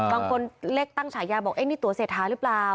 บางคนเลขตั้งฉายาบอกนี่ตัวเศรษฐาหรือเปล่า